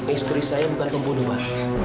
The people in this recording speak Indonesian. istri saya bukan pembunuh pak